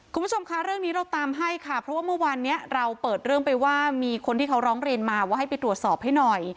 คุณผู้ชมคะเรื่องนี้เราตามให้ค่ะเพราะว่าเมื่อวานนี้เราเปิดเรื่องไปว่ามีคนที่เขาร้องเรียนมาว่าให้ไปตรวจสอบให้หน่อย